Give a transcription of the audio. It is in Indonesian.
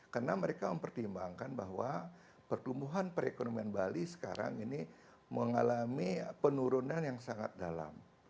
karena mereka mempertimbangkan bahwa pertumbuhan perekonomian bali sekarang ini mengalami penurunan yang sangat dalam